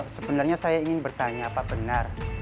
sebenarnya saya ingin bertanya apa benar